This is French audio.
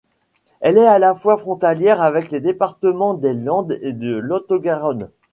Elle est à la fois frontalière avec les départements des Landes et de Lot-et-Garonne.